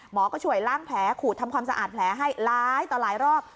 ก็ช่วยล้างแผลขูดทำความสะอาดแผลให้ร้ายต่อหลายรอบ